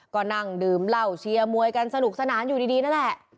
ก็นั่งดื่มเหล้าเชียร์มวยกันสนุกสนานอยู่ดีนั่นแหละ